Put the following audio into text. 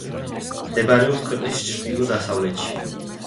მდებარეობს ქვეყნის ჩრდილო-დასავლეთში.